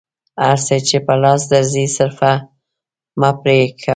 هر څه چې په لاس درځي صرفه مه پرې کوه.